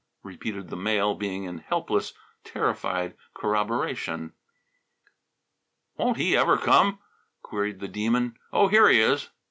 repeated the male being in helpless, terrified corroboration. "Won't he ever come?" queried the Demon. "Oh, here he is!"